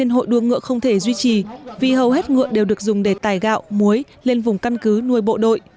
một mươi hội đua ngựa không thể duy trì vì hầu hết ngựa đều được dùng để tài gạo muối lên vùng căn cứ nuôi bộ đội